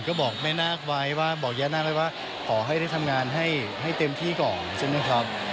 ก็บอกแม่นาคไว้ว่าบอกย่านาคไว้ว่าขอให้ได้ทำงานให้เต็มที่ก่อนใช่ไหมครับ